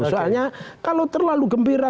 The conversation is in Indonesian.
soalnya kalau terlalu gembira